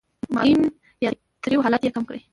مالګین یا تریو حالت یې کم کړي.